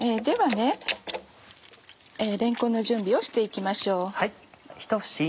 ではれんこんの準備をして行きましょう。